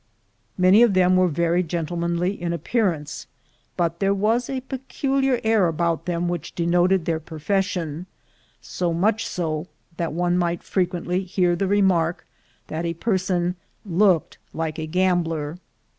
Many of them were very gentlemanly in appearance, but there was a peculiar air about them which denoted their profession — so much so, that one might frequently hear the remark, that such a person "looked like a gambler."